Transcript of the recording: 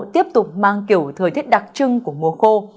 tiếp tục mang kiểu thời tiết đặc trưng của mùa khô